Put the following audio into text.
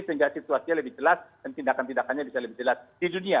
sehingga situasinya lebih jelas dan tindakan tindakannya bisa lebih jelas di dunia